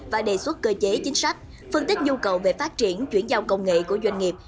và đề xuất cơ chế chính sách phân tích nhu cầu về phát triển chuyển giao công nghệ của doanh nghiệp